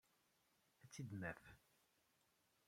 Ad tt-id-naf.